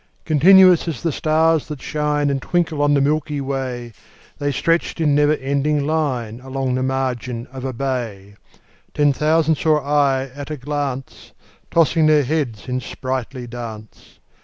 Continuous as the stars that shine And twinkle on the milky way, The stretched in never ending line Along the margin of a bay: Ten thousand saw I at a glance, Tossing their heads in sprightly dance.